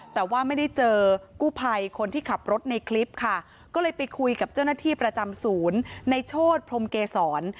แต่ว่าไม่ได้เจอกู้ภัยคนที่ขับรถในคลิปค่ะก็เลยไปคุยกับเจ้าหน้าที่ประจำศูนย์ในโชธพรมเกษร